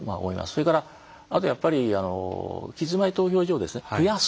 それからあとやっぱり期日前投票所をですね増やす。